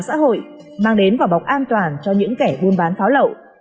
những tính yêu việt từ mạng xã hội mang đến vào bọc an toàn cho những kẻ buôn bán pháo lậu